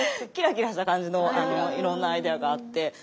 キラキラした感じのいろんなアイデアがあって。